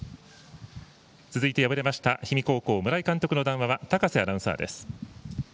続いて敗れました氷見高校、村井監督の談話は高瀬アナウンサーです。